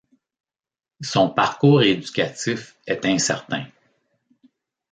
Son parcours éducatif est incertain.